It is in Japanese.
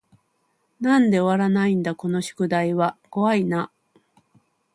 なんで終わらないだこの宿題は怖い y な